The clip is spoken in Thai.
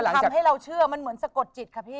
ทำให้เราเชื่อมันเหมือนสะกดจิตค่ะพี่